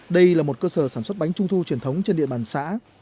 đây là một cơ sở sản xuất bánh trung thu truyền thống trên địa bàn xã